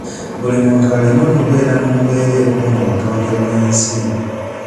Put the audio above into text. Buli muntu alina okubeera mu mbeera ekuuma obutonde bw'ensi.